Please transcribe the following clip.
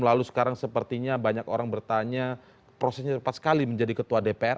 lalu sekarang sepertinya banyak orang bertanya prosesnya cepat sekali menjadi ketua dpr